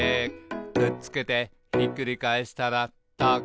「くっつけてひっくり返したらタコ」